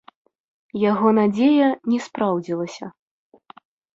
Яго надзея не спраўдзілася.